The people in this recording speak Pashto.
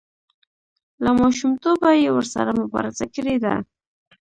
له ماشومتوبه یې ورسره مبارزه کړې ده.